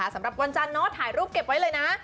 สำหรับวันจันทร์ถ่ายรูปเก็บไว้เลยนะ